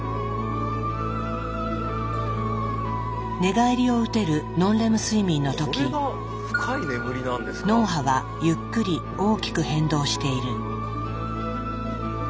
寝返りをうてるノンレム睡眠の時脳波はゆっくり大きく変動している。